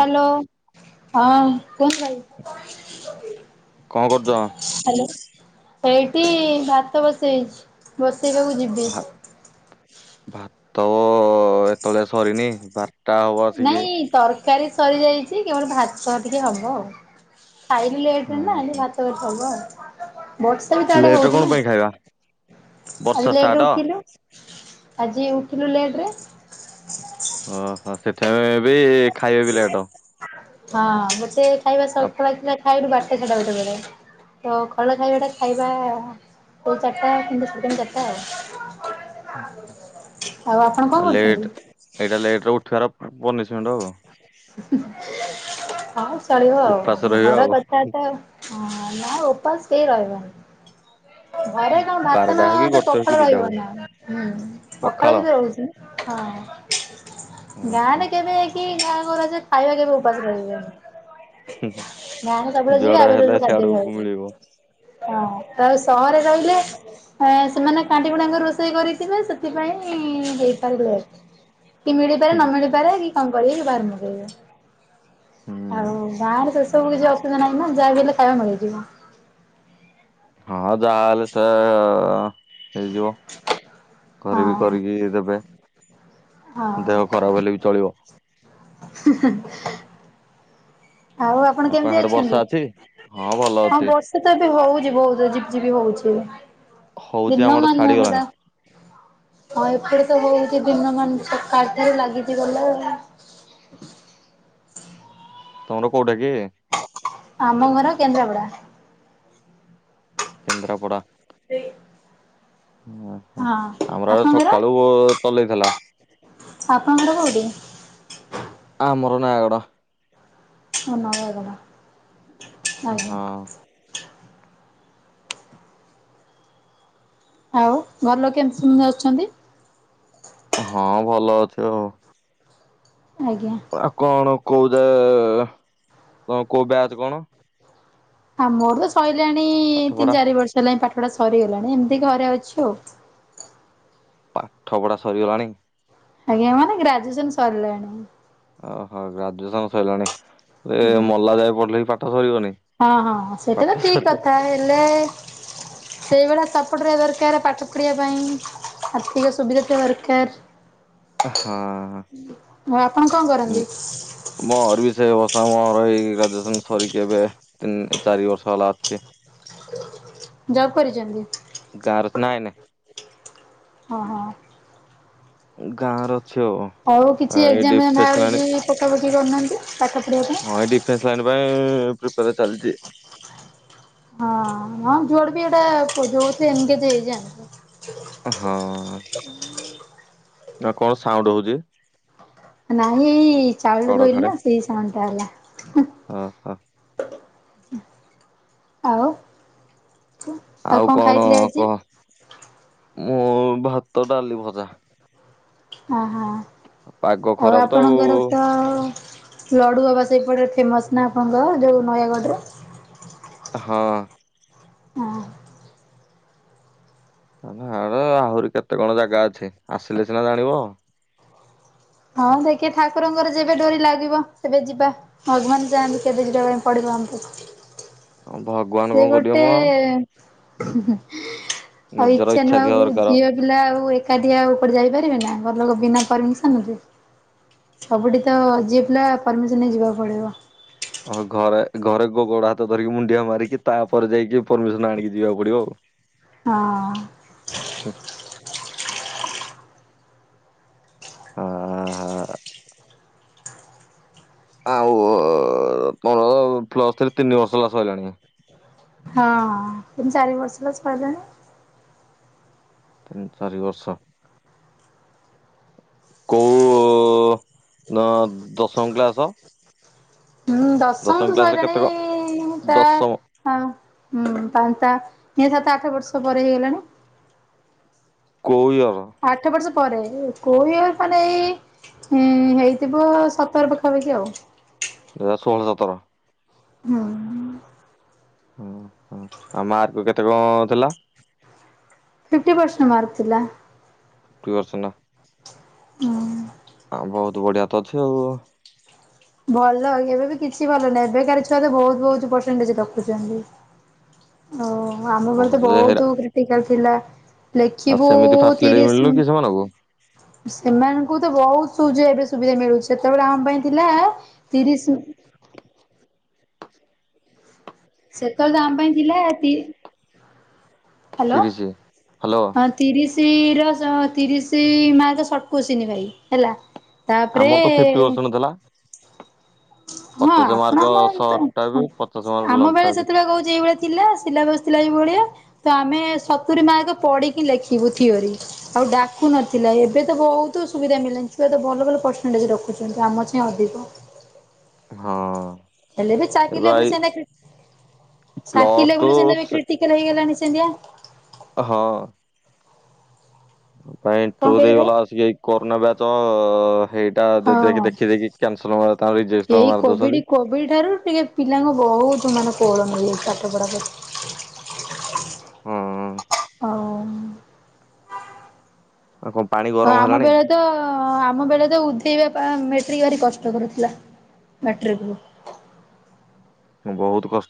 Hello. ହଁ କୁହନ୍ତୁ ଭାଇ? କଣ କରୁଛ? ଏଇଠି ଭାତ ବସେଇଛି ବସେଇବାକୁ ଯିବି ଭା ଭାତ ଏତେବେଳେ ଯାଏ ସରିନି ବାରଟା ହବ ଆସିକି। ନାଇଁ ତରକାରୀ ସରିଯାଇଛି କି ମୋର ଭାତ ଟିକେ ହବ ଆଉ। ଖାଇଲି ଲେଟରେ ନା ଓହୋ ଭାତ ବର୍ ସରିବ ଆଉ। ବର୍ଷା ବି ତ ଆଡେ ଲେଟ ହଉଛି କଣ ନା। ପାଇଁ ଖାଇବା ବର୍ଷା ଆଜି ଷ୍ଟାର୍ଟ ଲେଟରେ ଉଠିଲୁ ଆଜି ଉଠିଲୁ ଲେଟରେ ଓହୋ ସେଠାରେ ବି ଖାଇବା ବି ଲେଟ ହଁ ଗୋଟେ ଖାଇବା ଆଉ ଶରପ୍ରାଈଥିଲା ଖାଇଲୁ ବାରଟା ସାଢ଼େ ଗୋଟେ। ତ ଖଳା ଖାଇବା ଟା ଖାଇବା କୋଉ ଚାରିଟା କି ସୁନ ଚାରିଟା ଆଉ। ଆଉ ଆପଣ କଣ କରୁଛନ୍ତି? ଲେଟ ଏଇଟା ଲେଟରେ ଉଠିବାର ପନିଷମେଣ୍ଟ ଆଉ। ହଉ ଚଳିବ ଆଉ ଉପାସ ରହିବା ଘର ଆଉ କଥା ତ ହଁ ନା ଓପାସ କେହିଁ ରହିବନି। ଘରେ କଣ ଭାତ ବାରଟା ନ ହଉ କି ତ ଗୋଟେ ହଉ କି ପଖାଳ ଦିଟା ହଉ ରହିବନା ହୁଁ ପଖାଳ ବି ତ ରହୁଛି। ହଁ ଓହୋ, ଗାଁରେ ହୁଁ କେବେ କି ଗାଁ ମୋର ହଜେ ଖାଇବା କେବେ ଉପାସ ରହିବେନି। ନାଇଁ ହୁଁ। ସବୁବେଳେ ଜିବି ଯୁଆଡେ ହେଲେ ଅଭେଲେବୁଲ୍ ସିଆଡୁ କରିଦେବି ଭାବୁଚି। ମିଳିବ ହଁ ତ ଏ ସହରେ ରହିଲେ ଅ ସେମାନେ କାଣ୍ଟି କୁଣ୍ଟାକିନି ରୋଷେଇ କରିଥିବେ ସେଥିପାଇଁ ହେଇପାରିଲେ କି ମିଳିପାରେ ହୁଁ ନ ମିଳିପାରେ କି କଣ କରିବେ ବାହାରୁ ମଗେଇବେ। ହୁଁ। ଆଉ ବାହାର କିସ୍ ସବୁ କିଛି ଅସୁବିଧା ନାହିଁ ନା ଯାହା ବିି ହେଲେ ଖାଇବା ମିଳିଯିବ। ହଁ ଯାହାହେଲେ ତ ହେଇଯିବ ଘରେ ବି ହଁ। କରିକି ଦେବେ। ଦେହ ଖରାପ ହେଲେ ବି ଚଳିବ। ହେ ହେ ହେ। ଆଉ ଆପଣ ବାପା କେମିତି ହାଡେ ବର୍ଷା ଅଛନ୍ତି? ଅଛି? ଭଲ ହଁ ଅଛି ବର୍ଷା ତ ଏବେ ହଉ ହୋଉଛି ଝିପି ଝିପି ହଉଚି ହଉଛି ଦିନ ଆମର ମାନ ଛାଡିଗଲାଣି ହେଟା ଆଉ ଏପଟ ସାଇଟ ହଉଚି ଦିନ ମାନ ସକାଳ ଠାରୁ ଲାଗିଚି ଗଲେ ତମ ଘର କୋଉଟା କି? ଆମ ଘର କେନ୍ଦ୍ରାପଡା। କେନ୍ଦ୍ରାପଡ଼ା। [inaudible] ଓହୋ! ହଁ ଆମର ଆପଣଙ୍କ ସକାଳୁ-ଉ ଚଲେଇଥିଲା।। ଆପଣଡ଼ କଉଠି? ଆମର ନୟାଗଡ। ଓ ନୟାଗଡ। ହଁ। ଆଉ ଘର ଲୋକ କେମିତି [unintelligible] ଅଛନ୍ତି। ହଁ, ଭଲ ଅଛି ଆଉ। ଆଜ୍ଞା। ଆ କଣ କୋଉ ଯେ-ଏ-ଏ କୋଉ ବ୍ୟାଚ କଣ? ଆ ମୋର ତ ପାଠ ସଇଲାଣି-ଇ ପଢା ତିନି ଚାରି ବର୍ଷ ହେଲାଣି। ପା ଠ ଟା ସରିଗଲାଣି। ଏମିତି ଘରେ ଅଛି ଆଉ। ପାଠ ପଢା ସରିଗଲାଣି? ଆଜ୍ଞା, ମାନେ ଗ୍ରାଜୁଏସନ୍ ସରିଲାଣି। ଓହୋ! ଗ୍ରାଜୁଏସନ ସଇଲାଣି। ଏ ଆଜ୍ଞା। ମଲା ଯାଏଁ ପଢିଲେ ବି ପାଠ ସରିବନି। ହଁ, ହଁ ସେଇଟା ପାଠ ତ ଠିକ୍ ସରିବ କଥା। ହେଲେ ସେଇଭଳିଆ ସେପଟରେ ଦରକାର, ପାଠ ପଢିବା ପାଇଁ ଆର୍ଥିକ ସୁବିଧା ଥିବା ଦରକାର। ହଁ, ଆଉ ଆପଣ କଣ କରନ୍ତି ଉମ ମୋର ବି ସେ ଅବସ୍ ହଁ, ମର ଏଇ ଗ୍ରାଜୁଏସନ୍ ସରିକି, ଏବେ ତିନି ଚାରି ବର୍ଷ ହେଲା ଅଛି। ଯବ୍ କରିଚନ୍ତି? ଗାଁର ନାଇଁ ହଁ, ହଁ। ଗାଁ ର ଆଉ, କିଛି ଏଗ୍ଜାମ୍ ଫେଗ୍ଜାମ୍ ଲାଇନ ବାହାରିଚି, ପକା ପକି କରିୁନାହାଁନ୍ତି। ହଁ, ଏଇ ଡିଫେନ୍ସ ଲାଇନ ପାଇଁ ପ୍ରିପାର ଚାଲଚି। ହଁ, ହଁ। ଜୁଆଡ ବି ଗୋଟେ [unintelligible] ଏନ୍ଗେଜ୍ ହେଇଯାଆନ୍ତୁ। ହଁ ନା କଣ ସାଉଣ୍ଡ ହଉଚି? ନାହିଁ-ଇ-ଇ ଚାଉଳ ଧୋଇଲି ନା! ସେଇ ସାଉଣ୍ଡଟା ହେଲା। ହ। ଆଉ! ଆଉ କଣ ଖାଇଥିଲେ ଆଜି? ମୁଁ ଭାତ, ଡାଲିି, ଭଜା ଅ ହୋ! ପାଗ ଆଉ ଖରାପ ତ ଆପଣଙ୍କର ତ ଲଡ଼ୁ ବାବା ସେପଟେ ଫେମସ୍ ନା ଆପଣଙ୍କ ଯଉ ନୟାଗଡ଼ରେ । ହଁ। ଅଁ। ହା ଆ ଆହୁରି କେତେ କଣ ଜାଗା ଅଛି! ଆସିଲେ ସିନା ଜାଣିବ? ହଁ, ଦେଖିଆ ଠାକୁରଙ୍କର ଯେବେ ଡୋରି ଲାଗିବ, ସେବେ ଯିବା। ଭଗବାନ ଚାହାଁନ୍ତି, କେବେ ଯିବାପାଇଁ ପଡିବ? [inaudible] ଭଗବାନ ସେ କଣ କରିବେ ମ ଗୋଟେ-ଏ ହିଁ ହଁ ଆଉ, ନିଜର ଇଛା ନୁହ, ଇଚ୍ଛା ଥିବା ଆଉ ଦରକାର ଝିଅ ପିଲା ଆଉ ଏକ ଏକାଟିଆ ଆଉ କୁଆଡେ ଯାଇପାରିବେ ନା, ଘର ଲୋକ ବିନା ପରମିଶନ୍ ରେ। ସବୁଠି ତ ଯିଏ ପିଲା ପରମିଶନ୍ ନେଇ ଯିବାକୁ ପଡିବ। ହଁ ଘରେ ଘରେ ଗ-ଗୋଡ ହାତ ଧରିକି ମୁଣ୍ଡିଆ ମାରିକି। ତା'ପରେ ଯାଇକି ପରମିଶନ୍ ଆଣିକି, ଯିବାକୁ ପଡିବ ଆଉ। ହଁ। ହଁ ହା। ଆଉ-ଉ ମୋର ପ୍ଲସ୍ ଥ୍ରି ତିନି ବର୍ଷ ହେଲା ସଇଲାଣିା ହଁ ତିନ ଚାରି ବର୍ଷ ହେଲା ସଇଲାଣି। ତିନ ଚାରି ବର୍ଷ। କୋଉ ଉ, ଦ-ଅ, ଦଶମ କ୍ଲାସ୍? ହୁଁ, ଦଶମ ତ କ ସଇଲାଣି ତା ଦଶମ ଆମ ହୁଁ, ପାନତା ଏଇ ସାତ ଆଠ ବର୍ଷ ପରେ ହେଇଗଲାଣି। କୋଉ ଇୟ ଆଠ ବର୍ଷ ପରେ। କଉ ଇୟର ମାନେ ଏଇ ହୁଁ ହେଇଥିବ ସତର ପାଖାପାଖି ଆଉ। ଦୁଇ ହଜାର ଷୋହଳ ସତର। ହୁଁ। ହଁ, ହଁ ଆଉ ମାର୍କ କେତେ କଣ ଥିଲା? ଫିପ୍ଟି ପେର୍ସେଣ୍ଟ ମାର୍କ ଥିଲା। Fifty percent. ଅଁ, ହଁ ବହୁତ ବଢିଆ ତ ଅଛି ଆଉ। ଭଲ ଏବେ ବି କିଛି ଭଲ ନାହିଁ। ଏବେକାର ଛୁଆ ତ ବହୁତ ବହୁତ ପରସେଣ୍ଟଜ୍ ରଖୁଚନ୍ତି । ଅ, ଓ ଆମବେଳେ ତ ବହୁତ ଯେ ହେରା ବହୁତୁ କ୍ରିଟିକାଲ୍ ଥିଲା। ଆଉ ଲେଖିବୁ ସେମିତି ଫାସିଲିଟି ତିରିଶ ମିଳୁନି ସେମାନେ କି ସେମାନଙ୍କୁ ସେମାନଙ୍କୁ ତ ବହୁତ ସବୁ ଜଉ ଏବେ ସୁବିଧା ମିଳୁଛି। ସେତେବେଳେ ଆମ ପାଇଁ ଥିଲା ତିରିଶି ସେତେବେଳେ ତ ଆମ ପାଇଁ ଥିଲା ତି ହ୍ୟାଲୋ ତିରିଶି ହ୍ୟାଲୋ ହଁ ତିରିଶ ତିରଶ ତିରିଶି ମାର୍କ ସର୍ଟ କୁଶ୍ଚିନି ଭାଇ ହେଲା। ତାପରେ ଆମର ତ ଫିଫ୍ଟି ପରସେଣ୍ଟ ଥିଲା। ହଁ ପଚାଶ ମାର୍କ ଆପଣଙ୍କର ତ ସର୍ଟ ଟା ବି ପଚାଶ ମାର୍କ ହଁ ଆମ ଲଙ୍ଗ ଟା ବେଳେ ବି ସେତେବେଳେ କହୁଚି ଏଇଭଳିଆ ଥିଲା ସିଲାବସ୍ ଥିଲା ଏଇଭ ଭଳିଆ ତ ଆମେ ସତୁୁରୀ ମାର୍କ ପଢିକି ଲେଖିବୁ ଥିଓରି। ଆଉ ଡାକୁ ନଥିଲା ଏବ ଏଇ ତ ବହୁତ ସୁବିଧା ମିଳିଲାଣି ଛୁଆ ତ ଭଲ ଭଲ ପରସେଣ୍ଟେଜ୍ ରଖୁଛନ୍ତି ଆମ ଛେଁ ଅଧିକ। ହଁ। ହେଲେ ବି ଏ ଚାକିରି ଲାଇ ଭାଇ ବୁଲି ସେମତିଆ କ୍ରି ପ୍ଲସ ଚାକିରି ଲାଇ ବୁଲି ସେମତିଆ ଯେ ଟୁ କ୍ରିଟିକାଲ୍ ହେଇଗଲାଣି ସେ ସେମତିଆ। ହଁ। ପାଏ କଣ ଇଣ୍ଟରଭିଉ କହିଲେ ଦେଇ ଭାଇ ଗଲା ଆସିକି ଏଇ କରୋନା ବ୍ୟାଚ୍ ହେଇଟା ଦେ-ଦେଖି ହଁ। ଦେଖି କ୍ୟାନସ୍ ଏଇ କୋବିଡି କୋବିଡି ଠାରୁ ଟିକେ ପିଲାଙ୍କ ବହୁତ ମାନେ ଷୋହଳ ମଇ ଏ ପାଠ ଫଢା ର ହଁ ଓ ହୋ। ଆଉ କଣ ପାଣି ଗରମ ଆମ ହେଲାଣି ବେଳେ ତ ଆମ ବେଳେ ତ ଉ ସିଇବା ପା ମେଟ୍ରିକ୍ ଭାରି କଷ୍ଟ କରୁଥିଲା। ମାଟ୍ରିକ ରୁ ମୁଁ ବହୁତ କଷ୍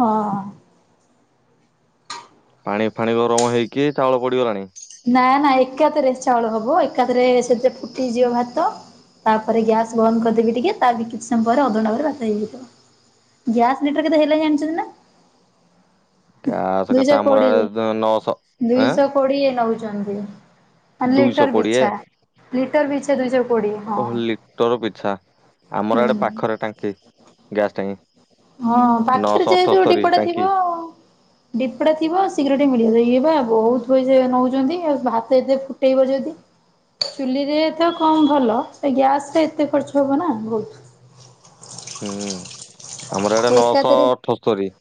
ହଁ। ପାଣି ଫାଣି ଗରମ ହେଇକି ଚାଉଳ ପଡିଗଲାଣି। ନା ନା ଏକାଥରେ ଚାଉଳ ହବ। ଏକାଥରେ ସେଥିରେ ଫୁଟିଯିବ ଭାତ। ତାପରେ ଗ୍ୟାସ ବନ୍ଦ କରିଦେବି ଟିକେ। ତା ବି କିଛି ସମୟ ପରେ ଅଧଘଣ୍ଟା ପରେ ଭାତ ହେଇଯିବ। ଗ୍ୟାସ୍ ଲିଟର କେତେ ହେଲା ଜାଣିଛନ୍ତି ନା? ଗ୍ୟାସ କେତେ ଦୁଇଶହ ଆମର କୋଡିଏ। ଆଡେ ନଅଶହ ଆଁ ଦୁଇଶହ କୋଡିଏ ନଉଚନ୍ତି। ଦୁଇଶହ ଲିଟର କୋଡିଏ ପିଛା! ଲିଟର ପିଛା ଦୁଇଶହ କୋଡିଏ ହଁ। ଓହ ଲିଟର ପିଛା ଆମର ହୁଁ ଇଆଡେ ପାଖରେ ଟାଙ୍କି, ଗ୍ୟାସ ଟାଙ୍କି। ହଁ ପାଖରେ ନଅଶହ ଯେହେତୁ ଅଠସ୍ତରୀ ଡିପୋ ଟା ଟାଙ୍କି ଥିବ ଡିପୋ ଟା ଥିବ ଶୀଘ୍ର ଟିକେ ମିଳି ବ ଇଏ। ବା ବହୁତ ପଇସା ଇଏ ନଉଚନ୍ତି ଆଉ ଭାତ ଏଥେରେ ଫୁଟେଇବ ଯଦି। ଚୁଲିରେ ତ କମ ଭଲ ଗ୍ୟାସ ରେ ଏତେ ଖର୍ଚ୍ଚ ହବ ନା ବହୁତ। ହୁଁ ଆମର ଆଡେ ନଅଶ ଏକାଥରେ ଅଠସ୍ତରୀ।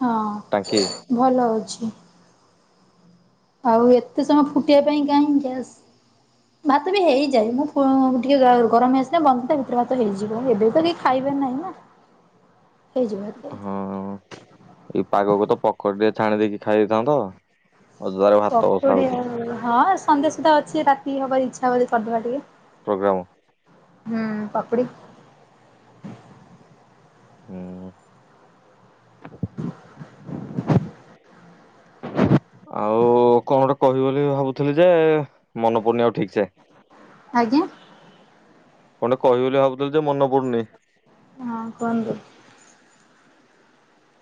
ହଁ ଟାଙ୍କି ଭଲ ଅଛି। ଆଉ ଏତେ ସମୟ ଫୁଟିବା ପାଇଁ କାହିଁ ଗ୍ୟାସ୍। ଭାତ ବି ହେଇଯାଏ ମୁଁ ଫୁ ଟିକେ ଗ-ଗରମ ଅଛି ନା ବନ୍ଦ ତା ଭିତରେ ଭାତ ହେଇଯିବ ଏବେ ତ କେହି ଖାଇ ବେ ନାହି ନା। ହେଇଯିବ ହଁ ଏଇ ପାଗକୁ ତ ପକୋଡି ଟେ ଛାଣି ଦେଇକି ଖାଇ ଦେଇଥାନ୍ତ। ଅଜଦାରେ ଭାତ ବସା ପକୁଡି ହଉଛି ଆଉ ହଁ ସନ୍ଧ୍ୟା ସୁଦ୍ଧା ଅଛି ରାତି କି ହବ ଯଦି ଇଛା ହବ ଜଦି କରିଦବା ଟିକେ । ପ୍ରୋଗ୍ରାମ। ହୁଁ ପକୁଡ଼ି। ହୁଁ। ଆଉ କଣ ଗୋଟେ କହିବି ବୋଲି ଭାବୁଥିଲି ଯେ ମନେ ପଡୁନି ଆଉ ଠିକ ସେ। ଆଜ୍ଞା। କଣ ଗୋଟେ କହିବି ବୋଲି ଭାବୁଥିଲି ଯେ ମନେ ପଡୁନି। ହଁ କୁହନ୍ତୁ।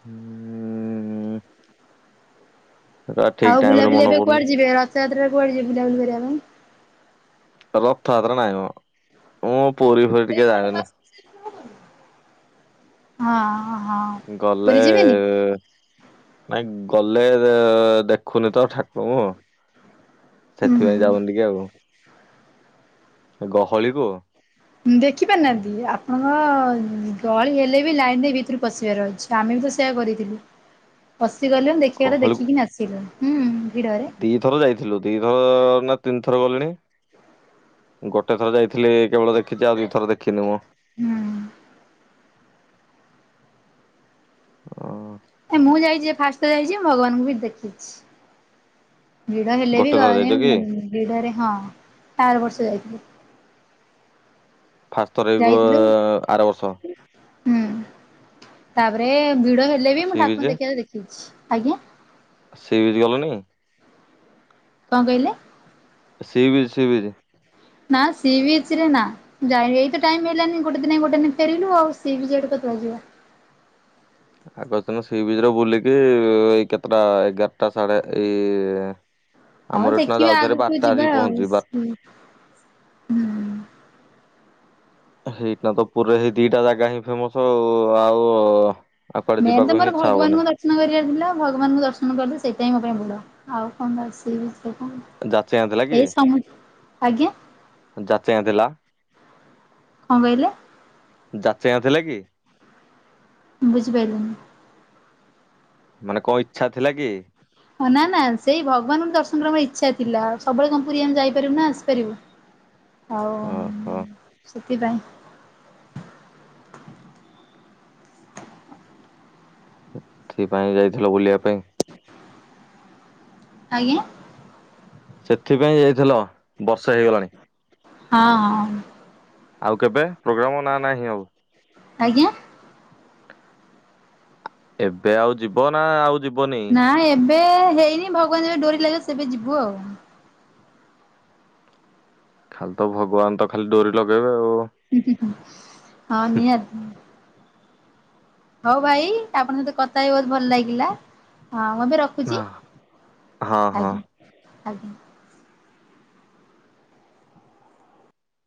ହୁଁ। ସେଟା ଠିକ ଆଉ ଟାଇମ ରେ ବୁଲାବୁଲି ମନେ ଏବେ ପଡୁନି। କୁଆଡ ଯିବେ ରଥ ଯାତ୍ରାରେ କୁଆଡେ ଯିବେ ବୁଲାବୁଲି କରିବା ପାଇଁ। ରଥଯାତ୍ରା ନାଇ ମ ମୁଁ। ପୁରୀ ଫୁରି ଟିକେ ଯାଏନି। ହଁ। ହଁ ଗଲେ ପୁରୀ ଯିବେନି? ନାଇଁ । ଗଲେ ଏ ଦେଖୁନି ତ ଠାକୁରଙ୍କୁ। ହୁଁ ହୁଁ ସେଥିପାଇଁ ଯାଉନି ଟିକେ ଆଉ ଏ ଗହଳି କୁ। ଦେଖି ପାରୁନାହାନ୍ତିି ଆପଣ। ହଁ ଗହଳି ହେଲେ ବି ଲାଇନ ରେ ଭିତରୁ ପଶିବାର ଅଛି ଆମେ ବି ତ ସେୟା କରିଥିଲୁ। ପସିଗଲୁ ଦେଖିବାରେ ଗହଳିକୁ ଦେଖିକିନା ଆସିଲୁ ହୁଁ। ଭିଡରେ ଦିଥର ଯାଇଥିଲୁ ଦିଥର ନା ତିନ ଥର ଗଲିଣି ଗୋଟେ ଥର ଯାଇଥିଲି କେବଳ ଦେଖିଛି ଆଉ ଦିଥର ଦେଖିନି ମୁଁ। ହୁଁ। ମୁଁ। ଏ ମୁଁ ଯାଇଛି ଫାଷ୍ଟ ତ ଯାଇଛି ଭଗବାନଙ୍କୁ ବି ଦେଖିଛି। ଭିଡ ହେଲେ ବି ଗୋଟେ ଗ ଥର ଯାଇଁ ଯାଇଛ କି? ଉମ ଭିଡରେ ହଁ ଆର ବର୍ଷ ଯାଇଥିଲି। ଫାଷ୍ଟ ଥର ଇବ ଯାଇଥିଲୁ ଆର ବର୍ଷ। ହୁଁ ତାପରେ ଭିଡ ହେଲେ ବି ମୁଁ ସି ଠାକୁରଙ୍କୁ ଦେଖିବାର ଦେଖିଛି ଆଜ୍ଞା। ଆଉ ସି ବିଚ ଗଲନି। କଣ କହିଲେ? ସି ବିଚ୍ ସି ବିଚି। ନା ସି ବିଚରେ ନା ଯାଇନି ଏଇ ତ ଟାଇମ ହେଲାନି ଗୋଟେ ଦିନ ରେ ଯାଇ ଗୋଟେ ଦିନ ରେ ଫେରିଲୁ ଆଉ ସି ବିଚ୍ ଆଡେ କୁ ଆଡେ ଯିବା। ଆଗ ସିନା ସି ବିଚ୍ ରେ ବୁଲିକି ଏଇ କେତେଟା ଏଗାରଟା ସାଢେ ଏଇ ଏ। ହଉ ଦେଖିବା ଆଗକୁ ଯିବା ଆଉ ପହଞ୍ଚୁଚି ବା ହୁଁ ହୁଁ। ସେଇଟି ନା ତ ପୁରି ରେ ସେଇ ଦିଟା ଜାଗା ହିଁ ଫେମସ ଆଉ ଆଉ। ଆଉ କୁଆଡେ ମେନ୍ ଯିବାକୁ ତ ହିଁ ମୋର ଇଚ୍ଛା ହବନି। ଭଗବାନଙ୍କୁ ଦର୍ଶନ କରିବାର ଥିଲା ଭଗବାନଙ୍କୁ ଦର୍ଶନ କରିଲେ ସେ ସେଇ ମୋ ପାଇଁ ବଡ଼ ଆଉ କଣ ବା ସି ବିଚ୍ ଯାଚେଙ୍ଗା ଥିଲା । କି? ଏଇ ସମ ଆଜ୍ଞା। ଯାଚେଙ୍ଗା ଥିଲା କଣ କହିଲେ? [unintelligible] ଥିଲା କି? ବୁଝିପାଇଲିନି। ମାନେ କଣ ଇଛା ଥିଲା କି? ହଁ ନା ନା ସେଇ ଭଗବାନଙ୍କୁ ଦର୍ଶନ ର ଇଚ୍ଛା ଥିଲା ସବୁବେଳେ କଣ ପୁରୀ ଆମେ ଯାଇପାରିବୁ ନା ଆସିପାରିବୁ? [inaudible] ହଉ ଓହୋ ସେଥିପାଇଁ [inaudible] ସେଥିପାଇଁ ଯାଇଥିଲ ବୁଲିବା ପାଇଁ। ଆଜ୍ଞା? ସେଥିପାଇଁ ଯାଇଥିଲ ବର୍ଷେ ହେଇଗଲାଣି। ହଁ ହଁ। ଆଉ କେବେ ପ୍ରୋଗ୍ରାମ ନା ନାହିଁ ଆଉ? ଆଜ୍ଞା। ଏବେ ଆଉ ଯିବ ନାଁ ଆଉ ଯି ନାଁ ଏବେ ହେଇନି ଭଗବାନଙ୍କ ଯେବେ ଡୋରି ଲାଗିବ ସେବେ ଯିବୁ ଆଉ। ଖାଲି ତ ଭଗବାନ ତ ଖାଲି ଡୋରି ଲଗେଇବେ ଆଉ। ହୁଁ ହୁଁ ଉଁ ହଁ ନିହାତି। ହଉ ଭାଇ ଆପଣଙ୍କ ସହିତ କଥା ହେଇ ବହୁତ୍ ଭଲ ଲାଗିଲା। ହଁ ମୁଁ ବି ରଖୁଛି ହଁ ହଁ। ହଁ ଆଜ୍ଞା ଆଜ୍ଞା।